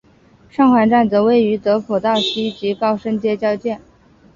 上环站则位于德辅道西及高升街交界。